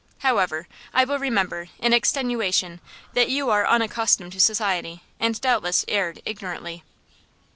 However, I will remember, in extenuation, that you are unaccustomed to society, and doubtless erred ignorantly."